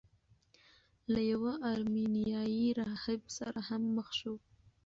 له یوه ارمینیايي راهب سره هم مخ شو.